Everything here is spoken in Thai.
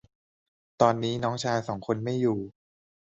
ตอนนี้น้องชายสองคนไม่อยู่